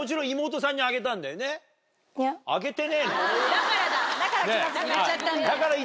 だからだ。